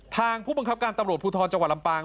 ทางผู้บังคับการทำเศรษฐฤตุธรณ์จังหวัดลำปาง